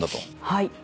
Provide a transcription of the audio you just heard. はい。